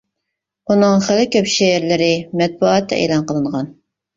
ئۇنىڭ خېلى كۆپ شېئىرلىرى مەتبۇئاتتا ئېلان قىلىنغان.